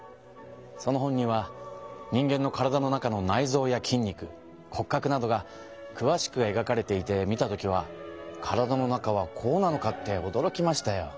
その本には人間の体の中の内臓や筋肉骨格などがくわしくえがかれていて見た時は体の中はこうなのかっておどろきましたよ。